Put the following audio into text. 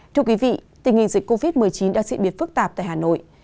thưa quý vị tình hình dịch covid một mươi chín đã diễn biệt phức tạp tại hà nội